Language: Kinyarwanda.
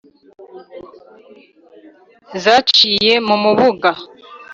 zaciye mu mubuga